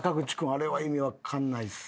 あれは意味分かんないっすね。